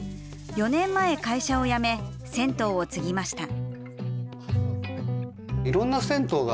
４年前、会社を辞め銭湯を継ぎました。